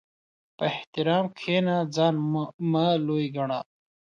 په احترام کښېنه، ځان مه لوی ګڼه.